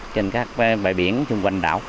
trên các bãi biển chung quanh đảo